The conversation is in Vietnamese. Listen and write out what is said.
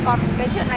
còn cái chuyện này